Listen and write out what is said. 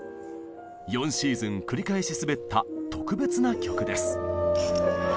４シーズン繰り返し滑った特別な曲です。